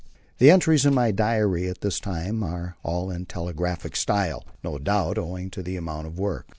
The entries in my diary at this time are all in telegraphic style, no doubt owing to the amount of work.